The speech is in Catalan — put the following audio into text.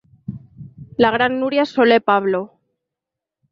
La gran Núria Soler Pablo.